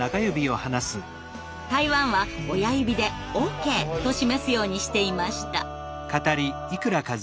台湾は親指でＯＫと示すようにしていました。